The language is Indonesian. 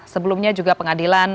sebelumnya juga pengadilan